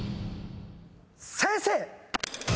先生！